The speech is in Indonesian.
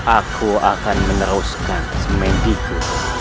aku akan meneruskan semangat itu